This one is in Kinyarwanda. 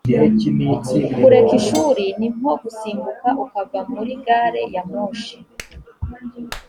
kureka ishuri ni nko gusimbuka ukava muri gari ya moshi